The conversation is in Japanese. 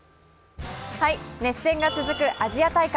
熱戦が続くアジア大会。